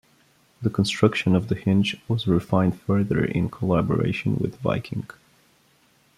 The construction of the hinge was refined further in collaboration with Viking.